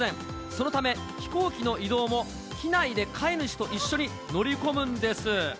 そのため飛行機の移動も機内で飼い主と一緒に乗り込むんです。